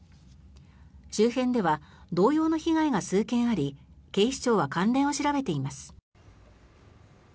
周辺では同様の被害が数件あり警視庁は関連を調べています。